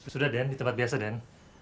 sudah den di tempat biasa dan